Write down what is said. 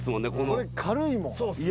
これ軽いもん。